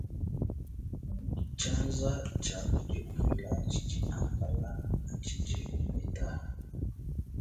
Tshianza tshia udi ufila tshidi ampala atshidi upeta.